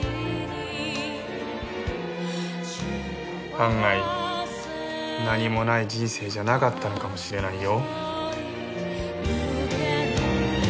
案外何もない人生じゃなかったのかもしれないよ。